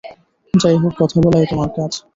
যাই হোক, কথা বলাই তোমার কাজ।